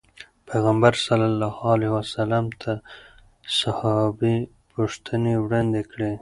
پيغمبر صلي الله علیه وسلم ته صحابي پوښتنې وړاندې کړې.